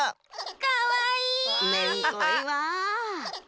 かわいい！